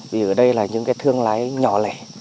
vì ở đây là những cái thương lái nhỏ lẻ